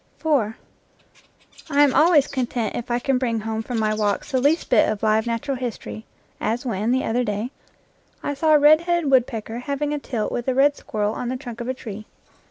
I am always content if I can bring home from my walks the least bit of live natural history, as when, the other day, I saw a red headed woodpecker hav ing a tilt with a red squirrel on the trunk of a tree.